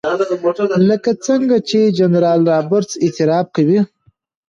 لکه څنګه چې جنرال رابرټس اعتراف کوي.